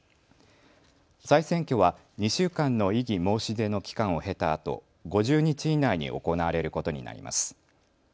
再選挙は２週間の異議申し出の期間を経たあと５０日以内に行われることになります。